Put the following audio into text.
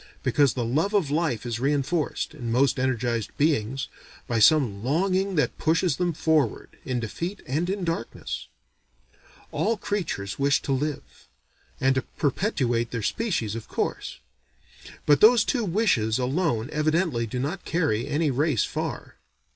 Because the love of life is reenforced, in most energized beings, by some longing that pushes them forward, in defeat and in darkness. All creatures wish to live, and to perpetuate their species, of course; but those two wishes alone evidently do not carry any race far.